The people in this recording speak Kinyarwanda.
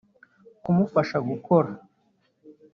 kumufasha gukora